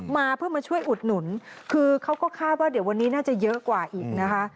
มาเพื่อมาช่วยอุดหนุนคือเขาก็คาดว่าเดี๋ยววันนี้น่าจะเยอะกว่าอีกนะคะ